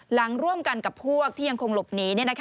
หลังร่วมกันกับพวกที่ยังคงหลบหนี